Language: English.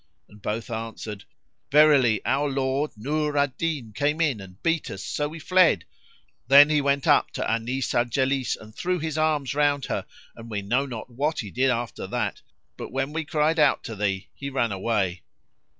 and both answered, "Verily our lord Nur al Din came in and beat us, so we fled; then he went up to Anis al Jalis and threw his arms round her and we know not what he did after that; but when we cried out to thee he ran away."